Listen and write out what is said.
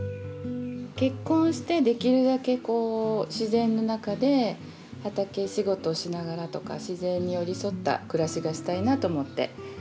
結婚してできるだけこう自然の中で畑仕事しながらとか自然に寄り添った暮らしがしたいなと思って。